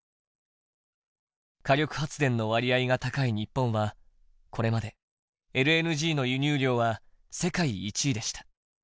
火力発電の割合が高い日本はこれまでＬＮＧの輸入量は世界１位でした。